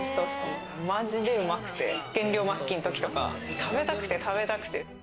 マジでうまくて、減量末期の時とか、食べたくて食べたくて。